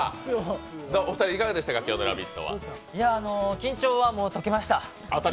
緊張はもう解けました。